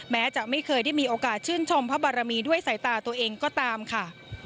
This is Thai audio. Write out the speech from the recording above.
แม้จะไม่เคยได้มีโอกาสชื่นชมพระบารมีด้วยสายตาตัวเองก็ตามค่ะ